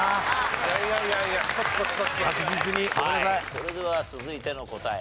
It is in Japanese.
それでは続いての答え